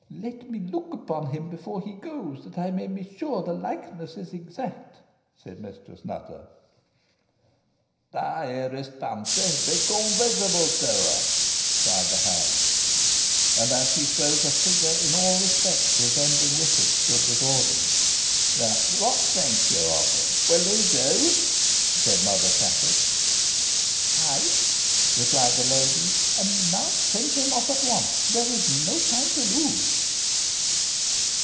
"Let me look upon him before he goes, that I may be sure the likeness is exact," said Mistress Nutter. "Thou hearest, Fancy! Become visible to her," cried the hag. And as she spoke, a figure in all respects resembling Richard stood before them. "What think you of him? Will he do?" said Mother Chattox. "Ay," replied the lady; "and now send him off at once. There is no time to lose."